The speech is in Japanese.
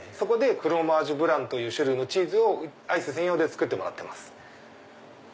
フロマージュブランという種類のチーズをアイス専用で作ってもらってます。